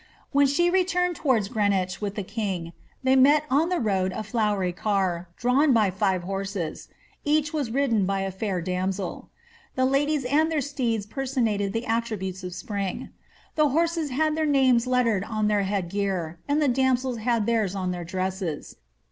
When she re turn^ towards Greenwich with the king, they met on the road a flowery car, drawn by five horses ; each was ridden by a &ir damsel. The ladies aad their steeds personated the attributes of the spring. The horses had their names lettered on their head gear, and the damsels had theirs on their dresses.